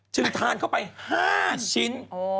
ทานเข้าไป๕ชิ้น